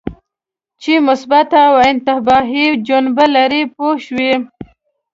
چې مثبته او انتباهي جنبه لري پوه شوې!.